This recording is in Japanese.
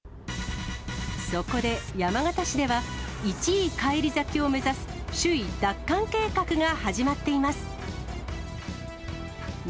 そこで山形市では、１位返り咲きを目指す、首位奪還計画が始まっています。